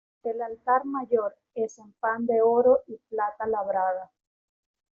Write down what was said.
El altar mayor es en pan de oro y plata labrada.